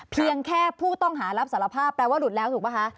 เพียงแค่ผู้ต้องหารับสารภาพแปลว่าหลุดแล้วถูกป่ะคะ